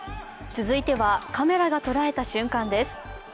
続いてはカメラが捉えた瞬間です。